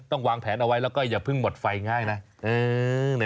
วางแผนเอาไว้แล้วก็อย่าเพิ่งหมดไฟง่ายนะ